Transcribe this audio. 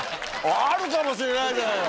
あるかもしれないじゃんよ。